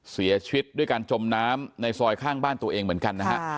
เสียชีวิตด้วยการจมน้ำในซอยข้างบ้านตัวเองเหมือนกันนะฮะ